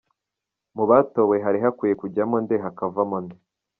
Mu batowe, hari hakwiye kujyamo nde hakavamo nde?.